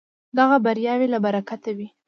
دغه بریاوې له برکته وې.